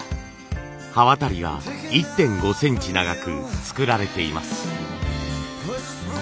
刃渡りが１．５センチ長く作られています。